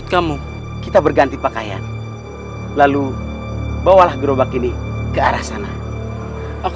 tidak ada apa apa bu